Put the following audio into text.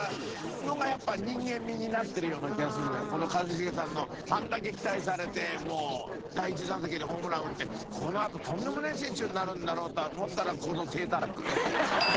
この一茂さんのあれだけ期待されてもう第１打席でホームラン打ってこのあととんでもねえ選手になるんだろうと思ったらこの体たらく。